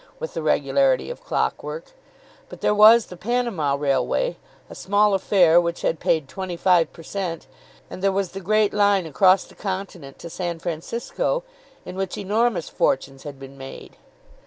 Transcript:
with the regularity of clockwork. But there was the Panama railway, a small affair which had paid twenty five per cent.; and there was the great line across the continent to San Francisco, in which enormous fortunes had been made.